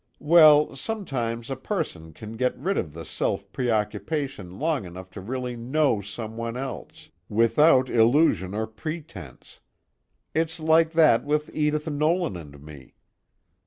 Well sometimes a person can get rid of the self preoccupation long enough to really know someone else, without illusion or pretense. It's like that with Edith Nolan and me.